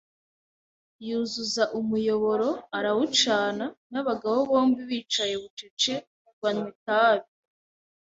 Yuzuza umuyoboro arawucana; nabagabo bombi bicaye bucece banywa itabi a